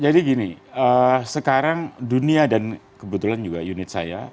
jadi gini sekarang dunia dan kebetulan juga unit saya